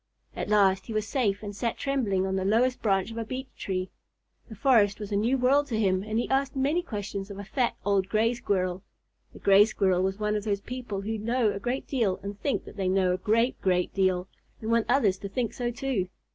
At last he was safe and sat trembling on the lowest branch of a beech tree. The forest was a new world to him and he asked many questions of a fat, old Gray Squirrel. The Gray Squirrel was one of those people who know a great deal and think that they know a great, great deal, and want others to think so too.